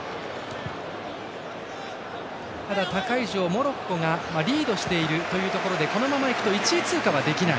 ただ、他会場、モロッコがリードしているというところでこのままいくと１位通過はできない。